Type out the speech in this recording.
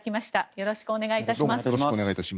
よろしくお願いします。